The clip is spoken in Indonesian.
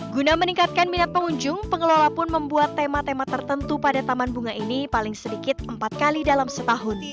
guna meningkatkan minat pengunjung pengelola pun membuat tema tema tertentu pada taman bunga ini paling sedikit empat kali dalam setahun